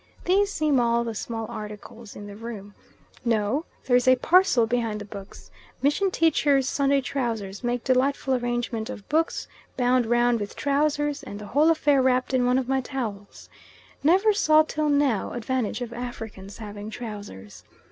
These seem all the small articles in the room no, there is a parcel behind the books mission teachers' Sunday trousers make delightful arrangement of books bound round with trousers and the whole affair wrapped in one of my towels. Never saw till now advantage of Africans having trousers.